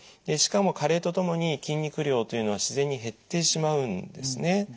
しかも加齢とともに筋肉量というのは自然に減ってしまうんですね。